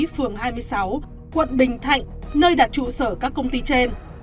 phường hai mươi sáu quận bình thạnh nơi đặt trụ sở các công ty trên